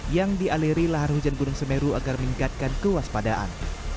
yang dialiri lahar hujan gunung semeru agar meningkatkan kewaspadaan